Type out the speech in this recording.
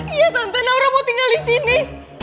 iya tante naura mau tinggal disini